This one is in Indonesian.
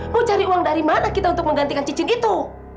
mau cari uang dari mana kita untuk menggantikan cincin itu